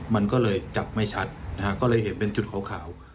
มันก็เลยจับไม่ชัดนะฮะก็เลยเห็นเป็นจุดขาว